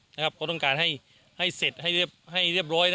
เขาต้องการให้เสร็จให้เรียบร้อย